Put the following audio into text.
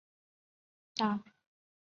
西藏长叶松在整个分布地区的变异不大。